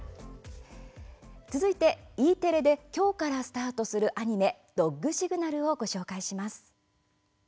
続いて、Ｅテレで今日からスタートするアニメ「ドッグシグナル」をご紹介します。